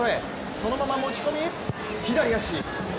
そのまま持ち込み、左足。